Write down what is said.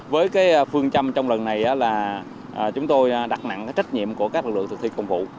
với phương châm trong lần này là chúng tôi đặt nặng trách nhiệm của các lực lượng thực thi công vụ